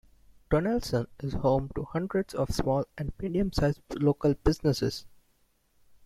Donelson is home to hundreds of small and medium-sized local businesses.